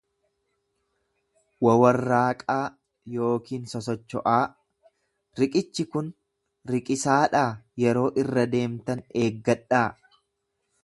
wawarraaqaa yookiin sosocho'aa; Riqichi kun riqisaadhaa, yeroo irra deemtan eeggadhaa!